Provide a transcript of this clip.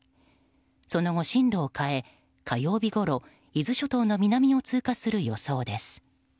その後、進路を変え火曜日ごろ伊豆諸島の南を通過する予想です。